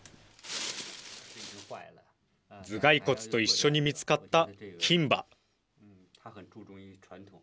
頭蓋骨と一緒に見つかった金歯。